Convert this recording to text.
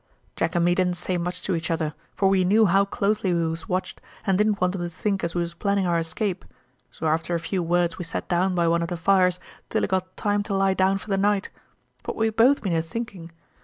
"Jack and me didn't say much to each other, for we knew how closely we was watched and didn't want 'em to think as we was planning our escape, so after a few words we sat down by one of the fires till it got time to lie down for the night; but we had both been a thinking.